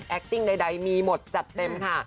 ติ้งใดมีหมดจัดเต็มค่ะ